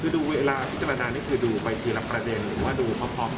คือดูเวลาพิจารณานี่คือดูไปทีละประเด็นหรือว่าดูพร้อม